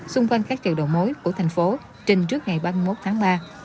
xung quanh các chợ đầu mối của thành phố trình trước ngày ba mươi một tháng ba